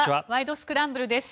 スクランブル」です。